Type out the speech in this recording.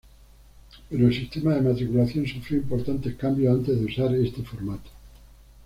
Pero el sistema de matriculación sufrió importantes cambios antes de usar este formato.